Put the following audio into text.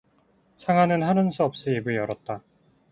창하는 하는 수 없이 입을 열었다.